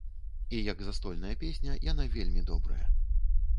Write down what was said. І як застольная песня яна вельмі добрая.